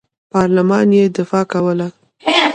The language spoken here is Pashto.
پارلمان یې دفاع کوله.